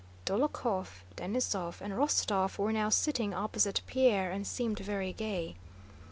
Dólokhov, Denísov, and Rostóv were now sitting opposite Pierre and seemed very gay.